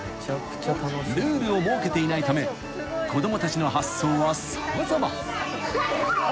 ［ルールを設けていないため子供たちの発想は様々］